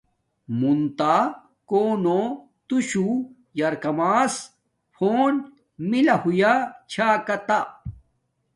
مون تا کونو توشو یرکاماس فون ملہ ہویا چھا کاتہ